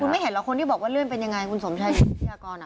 ไม่เห็นหรอกคนที่บอกว่าเลื่อนเป็นยังไงคุณสมชัยศรีวิทยากร